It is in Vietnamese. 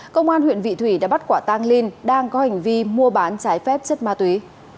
công an huyện vị thủy đã bắt quả tang linh đang có hành vi mua bán trái phép chất ma túy